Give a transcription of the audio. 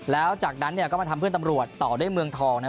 แล้วจากนั้นเนี่ยก็มาทำเพื่อนตำรวจต่อด้วยเมืองทองนะครับ